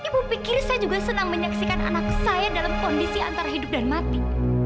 ibu pikir saya juga senang menyaksikan anak saya dalam kondisi antar hidup dan mati